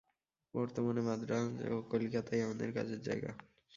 বর্তমানে মান্দ্রাজ ও কলিকাতাই আমাদের কাজের জায়গা।